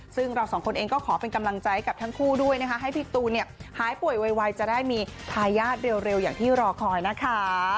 ซึ่งเราสองคนเองก็ขอเป็นกำลังใจกับทั้งคู่ด้วยนะคะให้พี่ตูนเนี่ยหายป่วยไวจะได้มีทายาทเร็วอย่างที่รอคอยนะคะ